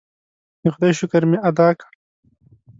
د خدای شکر مې ادا کړ.